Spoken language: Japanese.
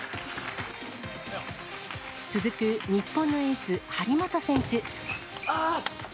続く日本のエース、張本選手。